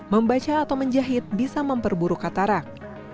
membaca atau menjahit bisa memperburuk katarak